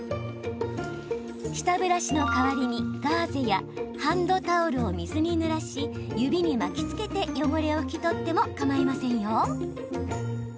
舌ブラシの代わりに、ガーゼやハンドタオルを水にぬらし指に巻きつけて汚れを拭き取ってもかまいません。